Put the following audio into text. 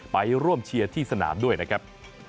ไปร่วมเชียร์ที่สนามด้วยนะครับ